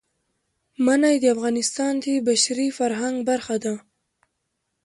منی د افغانستان د بشري فرهنګ برخه ده.